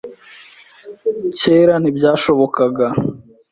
Kera ntibyashobokaga.